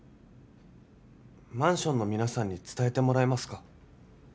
マンションの皆さんに伝えてもらえますか？